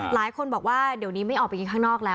หลายคนบอกว่าเดี๋ยวนี้ไม่ออกไปกินข้างนอกแล้ว